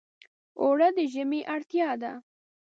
اوړه د ژمي اړتیا ده